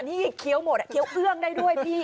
นี่เคี้ยวหมดเคี้ยวเครื่องได้ด้วยพี่